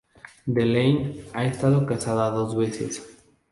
Delaney ha estado casada dos veces.